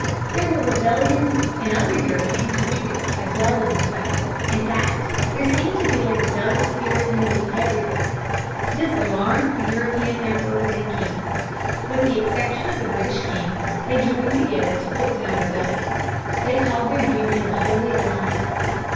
There were rebellions in other European countries as well as in Spain. In fact, there seemed to be a rebellious spirit nearly everywhere. This alarmed the European emperors and kings. With the exception of the British king, they joined together to put down rebellions. They called their union the Holy Alliance.